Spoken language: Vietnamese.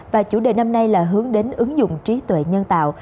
và chủ đề năm nay là hướng đến ứng dụng trí tuệ nhân tạo